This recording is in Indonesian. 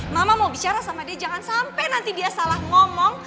mama mau bicara sama dia jangan sampai nanti dia salah ngomong